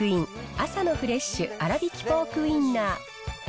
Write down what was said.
朝のフレッシュあらびきポークウインナー。